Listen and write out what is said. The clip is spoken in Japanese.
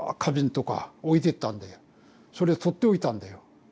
それ取っておいたんだよ。